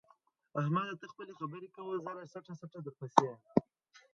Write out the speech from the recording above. احمده! ته خپلې خبرې کوه زه له څټه څټه درپسې یم.